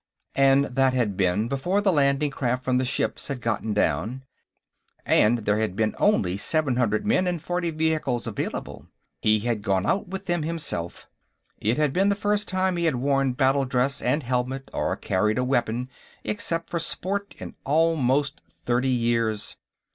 And that had been before the landing craft from the ships had gotten down, and there had only been seven hundred men and forty vehicles available. He had gone out with them, himself; it had been the first time he had worn battle dress and helmet or carried a weapon except for sport in almost thirty years.